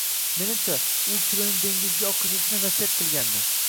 Menimcha, u kulini dengizga oqizishni vasiyat qilgandi